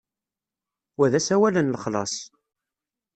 Wa d asawal n lexlaṣ.